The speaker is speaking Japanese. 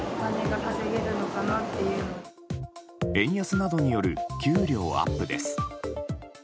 円安などによる給料アップです。